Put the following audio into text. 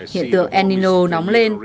hiện tượng el nino nóng lên